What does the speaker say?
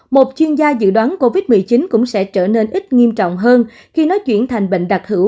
một chuyên gia dự đoán covid một mươi chín cũng sẽ trở nên ít nghiêm trọng hơn khi nó chuyển thành bệnh đặc hữu